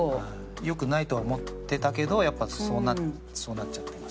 良くないとは思ってたけどやっぱそうなっちゃったりは。